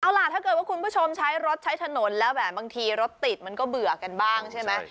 เอาล่ะถ้าเกิดว่าคุณผู้ชมใช้รถใช้ถนนแล้วแบบบางทีรถติดมันก็เบื่อกันบ้างใช่ไหม